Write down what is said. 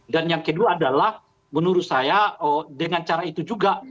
dan yang kedua adalah menurut saya dengan cara itu juga